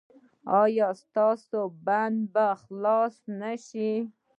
ایا ستاسو بند به خلاص نه شي؟